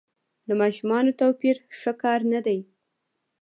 د ماشومانو توپیر ښه کار نه دی.